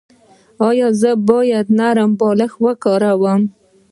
ایا زه باید نرم بالښت وکاروم؟